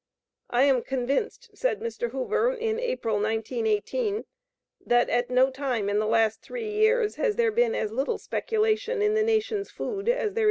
"I am convinced," said Mr. Hoover, in April, 1918, "that at no time in the last three years has there been as little speculation in the nation's food as there is to day."